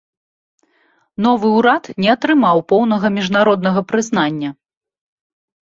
Новы ўрад не атрымаў поўнага міжнароднага прызнання.